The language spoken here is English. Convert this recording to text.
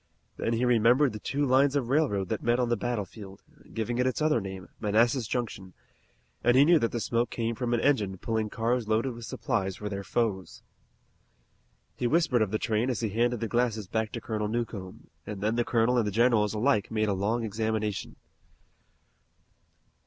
Then he remembered the two lines of railroad that met on the battlefield, giving it its other name, Manassas Junction, and he knew that the smoke came from an engine pulling cars loaded with supplies for their foes. He whispered of the train as he handed the glasses back to Colonel Newcomb, and then the colonel and the generals alike made a long examination.